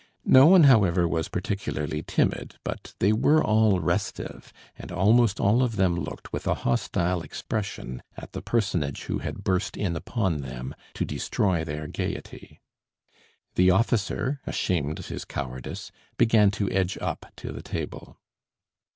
No one, however, was particularly timid, but they were all restive, and almost all of them looked with a hostile expression at the personage who had burst in upon them, to destroy their gaiety. The officer, ashamed of his cowardice, began to edge up to the table.